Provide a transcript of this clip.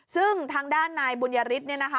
ซึ่งทางด้านนายบุญยฤทธิ์เนี่ยนะคะ